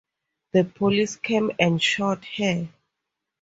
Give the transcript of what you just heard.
The police came and shot her.